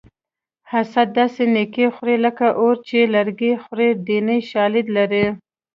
حسد داسې نیکي خوري لکه اور چې لرګي خوري دیني شالید لري